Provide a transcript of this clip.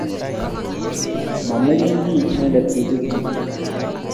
Ma meken kiy inende sigik chich